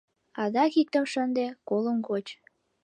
Адак иктым шынде, колым коч...